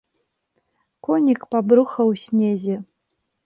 Конік па бруха ў снезе.